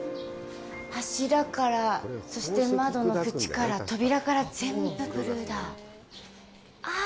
柱から、そして、窓の縁から、扉から、全部、ブルーだぁ。